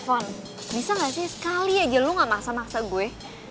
fon bisa gak sih sekali aja lo gak masa masa gue